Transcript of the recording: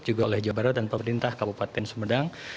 juga oleh jabarat dan pemerintah kabupaten sumedang